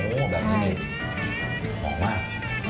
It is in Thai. อ๋อแบบนี้หอมมาก